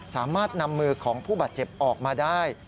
สามารถนำมือของผู้บาดเจ็บออกมาได้